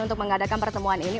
untuk mengadakan pertemuan ini